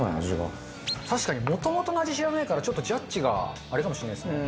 確かにもともとの味知らないからちょっとジャッジがあれかもしれないですね。